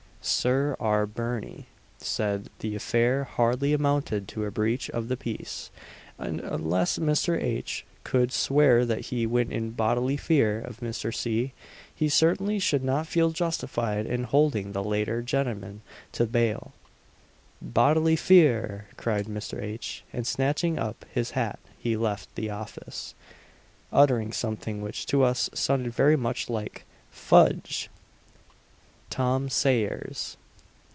SIR R. BIRNIE said the affair hardly amounted to a breach of the peace, and unless Mr. H. could swear that he went in "bodily fear" of Mr. C., he certainly should not feel justified in holding the latter gentleman to bail. "Bodily fear!" cried Mr. H. and snatching up his hat he left the office, uttering something which to us sounded very much like "Fudge!" TOM SAYERS.